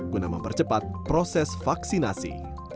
guna mempercepat proses vaksinasi